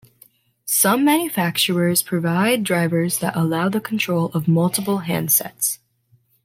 Some manufacturers provide drivers that allow the control of multiple handsets.